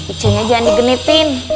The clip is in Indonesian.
iconya jangan digenitin